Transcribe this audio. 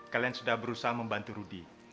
kalian sudah berusaha membantu rudy